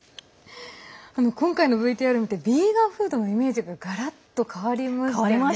今回のＶＴＲを見てビーガンフードのイメージががらっと変わりましたね。